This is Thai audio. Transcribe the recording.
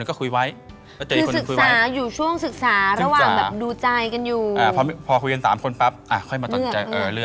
ก็พยายามอยู่